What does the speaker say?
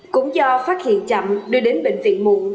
cũng do phát hiện chậm đưa đến bệnh viện muộn